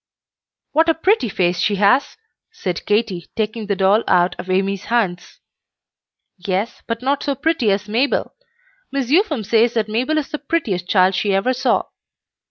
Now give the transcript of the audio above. "What a pretty face she has!" said Katy, taking the doll out of Amy's hands. "Yes, but not so pretty as Mabel. Miss Upham says that Mabel is the prettiest child she ever saw.